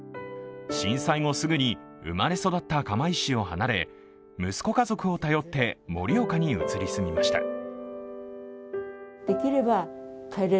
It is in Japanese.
震災後、すぐに生まれ育った釜石市を離れ息子家族を頼って盛岡に移り住みました。